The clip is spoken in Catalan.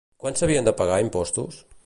Quan s'havien de pagar impostos?